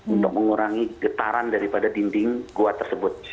untuk mengurangi getaran daripada dinding gua tersebut